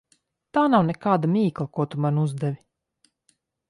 Tā nav nekāda mīkla, ko tu man uzdevi.